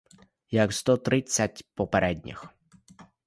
Як сто тридцять попередніх.